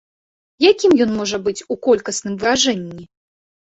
Якім ён можа быць у колькасным выражэнні?